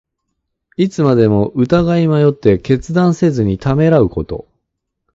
いつまでも疑い迷って、決断せずにためらうこと。